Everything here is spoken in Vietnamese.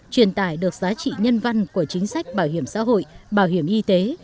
truyền tải được giá trị nhân văn của chính sách bảo hiểm xã hội bảo hiểm y tế